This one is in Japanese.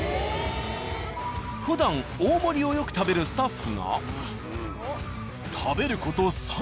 ふだん大盛りをよく食べるスタッフが。